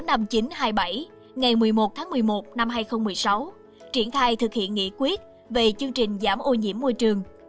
ngày một mươi một tháng một mươi một năm hai nghìn một mươi sáu triển khai thực hiện nghị quyết về chương trình giảm ô nhiễm môi trường